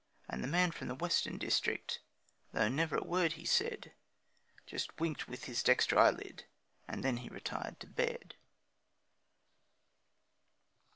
And the man from the western district, though never a word he said, Just winked with his dexter eyelid, and then he retired to bed.